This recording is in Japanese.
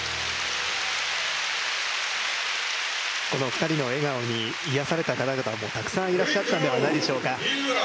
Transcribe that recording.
この２人の笑顔に癒された方々もたくさんいらっしゃったのではないでしょうか。